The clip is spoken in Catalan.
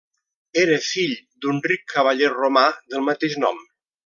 Era fill d'un ric cavaller romà del mateix nom.